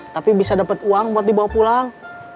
tapi bisa dapat uang buat dibawa pulang